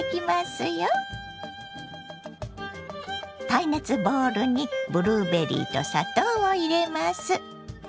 耐熱ボウルにブルーベリーと砂糖を入れます。